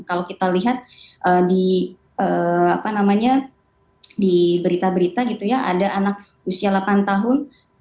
kalau kita lihat di berita berita gitu ya ada anak usia delapan tahun